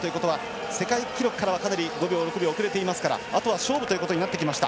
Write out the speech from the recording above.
世界記録からは５秒、６秒遅れていますからあとは勝負ということになってきました。